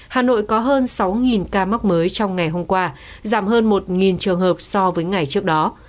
hà nội có hơn sáu ca mắc mới trong ngày hôm qua giảm hơn một trường hợp so với ngày trước đó